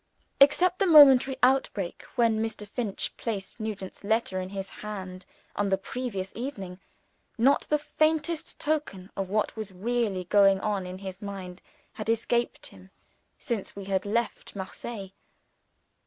Except the momentary outbreak, when Mr. Finch had placed Nugent's letter in his hand on the previous evening, not the faintest token of what was really going on in his mind had escaped him since we had left Marseilles.